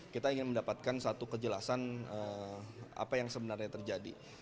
kita ingin mendapatkan satu kejelasan apa yang sebenarnya terjadi